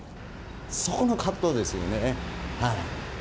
そこの葛藤ですよね。